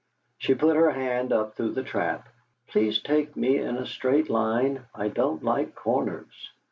She put her hand up through the trap. "Please take me in a straight line. I don't like corners."